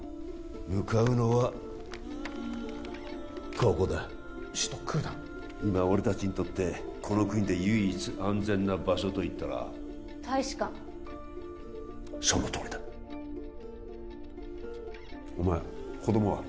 向かうのはここだ首都クーダン今俺達にとってこの国で唯一安全な場所といったら大使館そのとおりだお前子どもは？